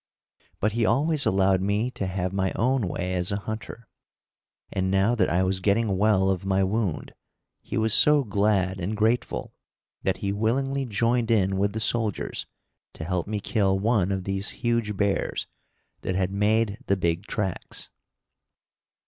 But he always allowed me to have my own way as a hunter, and now that I was getting well of my wound he was so glad and grateful that he willingly joined in with the soldiers to help me kill one of these huge bears that had made the big tracks.